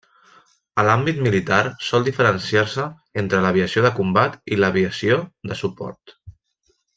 A l'àmbit militar sol diferenciar-se entre l'aviació de combat i l'aviació de suport.